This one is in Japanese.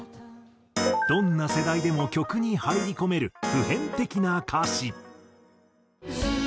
どんな世代でも曲に入り込める普遍的な歌詞。